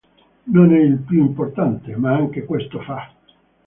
Non è il più importante; ma anche questo fa.